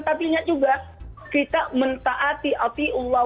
tapi ingat juga kita mentaati api